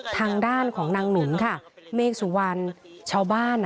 ทางด้านของนางหมุนค่ะเมฆสุวรรณ